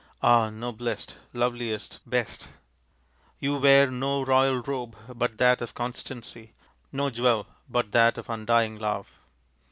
Ah, noblest, loveliest, best ! You wear no royal robe but that of constancy, no jewel but that of undying love.